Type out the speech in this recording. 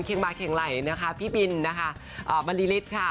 เคียงบาดเคียงไหล่พี่บิลบริษฐค่ะ